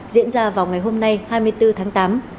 diễn ra vào ngày hôm nay hai mươi bốn tháng tám